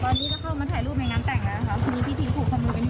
ตอนนี้จะเข้ามาถ่ายรูปในงานแต่งแล้วนะคะที่นี่พี่พี่ถูกข้อมือกันอยู่